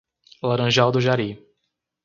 Laranjal do Jari